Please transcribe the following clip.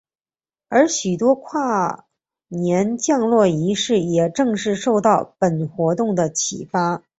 而许多跨年降落仪式也正是受到本活动的启发。